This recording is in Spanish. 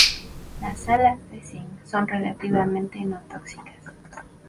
Las sales de cinc son relativamente no tóxicas.